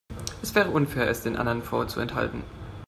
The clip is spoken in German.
Es wäre unfair, es den anderen vorzuenthalten.